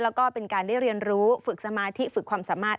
แล้วก็เป็นการได้เรียนรู้ฝึกสมาธิฝึกความสามารถ